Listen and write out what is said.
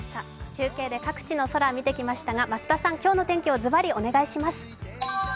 中継で各地の空を見てきましたが増田さん、今日の天気をずばりお願いします。